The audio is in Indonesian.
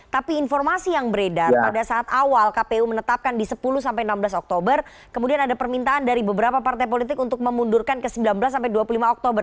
tapi informasi yang beredar pada saat awal kpu menetapkan di sepuluh sampai enam belas oktober kemudian ada permintaan dari beberapa partai politik untuk memundurkan ke sembilan belas sampai dua puluh lima oktober